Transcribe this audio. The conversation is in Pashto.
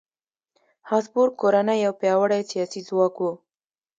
هابسبورګ کورنۍ یو پیاوړی سیاسي ځواک و.